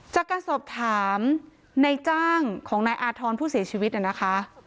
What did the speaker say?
จากการสอบถามในจ้างของนายอาธรณ์ผู้เสียชีวิตนะคะ